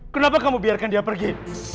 kenapa kamu biarkan dia pergi